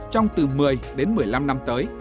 trong từ một mươi một mươi năm năm tới